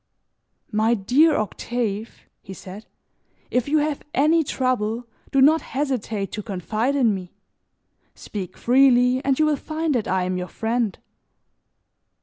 "My dear Octave," he said, "if you have any trouble, do not hesitate to confide in me. Speak freely and you will find that I am your friend!"